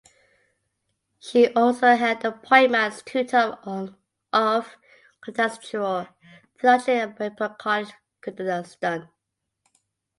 She also held an appointment as Tutor of Contextual Theology at Ripon College Cuddesdon.